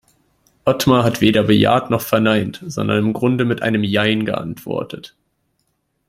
Otmar hat weder bejaht noch verneint, sondern im Grunde mit einem Jein geantwortet.